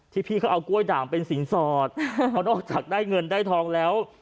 พี่เขาเอากล้วยด่างเป็นสินสอดเพราะนอกจากได้เงินได้ทองแล้ว